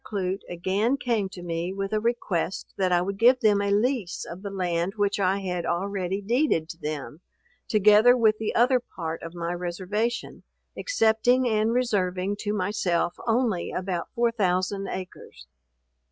Clute again came to me with a request that I would give them a lease of the land which I had already deeded to them, together with the other part of my reservation, excepting and reserving to myself only about 4000 acres.